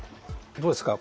どうですか？